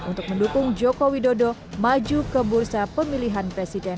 untuk mendukung joko widodo maju ke bursa pemilihan presiden dua ribu sembilan belas